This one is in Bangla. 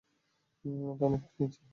এটা অনেক নিচে।